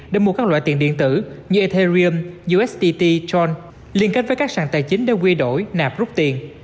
để mua các loại tiền điện tử như ethereum usdt tron liên kết với các sản tài chính để quy đổi nạp rút tiền